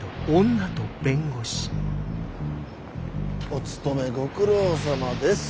お勤めご苦労さまです。